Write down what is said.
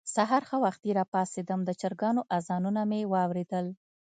سهار ښه وختي راپاڅېدم، د چرګانو اذانونه مې واورېدل.